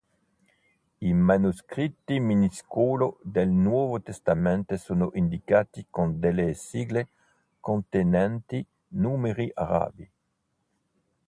I manoscritti minuscoli del Nuovo Testamento sono indicati con delle sigle contenenti numeri arabi.